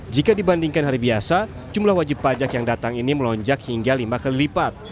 jika dibandingkan hari biasa jumlah wajib pajak yang datang ini melonjak hingga lima kali lipat